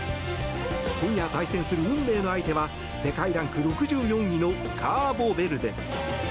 今夜対戦する運命の相手は世界ランク６４位のカーボベルデ。